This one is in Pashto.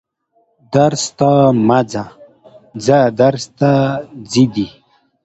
درس ته مه ځه درس ته ځه دي